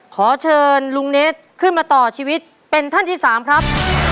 ขอเชิญลุงเนสขึ้นมาต่อชีวิตเป็นท่านที่๓ครับ